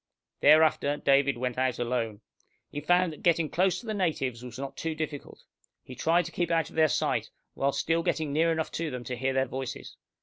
Thereafter David went out alone. He found that getting close to the natives was not too difficult. He tried to keep out of their sight, while still getting near enough to them to hear their voices.